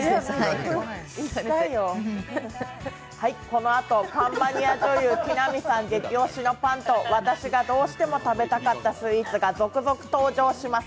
このあと、パンマニア女優・木南さん激推しのパンと私がどうしても食べたかったスイーツが続々登場します。